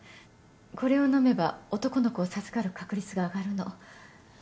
これを飲めば男の子を授かる確率が上がるの。